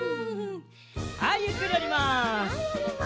はいゆっくりおります。